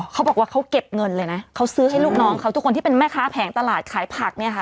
เขาบอกว่าเขาเก็บเงินเลยนะเขาซื้อให้ลูกน้องเขาทุกคนที่เป็นแม่ค้าแผงตลาดขายผักเนี่ยค่ะ